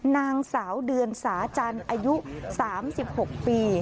นางสาวเดือนสาจันทร์อายุ๓๖ปี